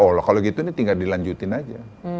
oh lah kalau gitu ini tinggal dilanjutin aja